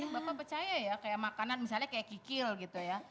bapak percaya ya kayak makanan misalnya kayak kikil gitu ya